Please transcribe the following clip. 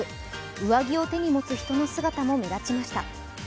上着を手に持つ人の姿も目立ちました。